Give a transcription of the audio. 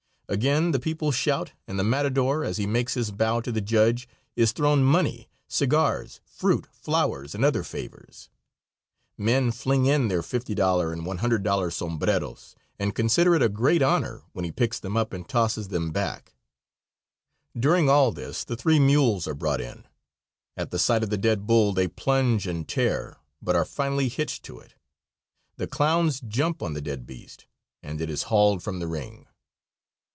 Again the people shout, and the matador, as he makes his bow to the judge, is thrown money, cigars, fruit, flowers and other favors. Men fling in their $50 and $100 sombreros, and consider it a great honor when he picks them up and tosses them back. During all this the three mules are brought in. At the sight of the dead bull they plunge and tear, but are finally hitched to it. The clowns jump on the dead beast, and it is hauled from the ring.